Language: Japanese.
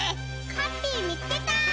ハッピーみつけた！